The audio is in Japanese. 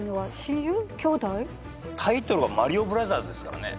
タイトルが『マリオブラザーズ』ですからね。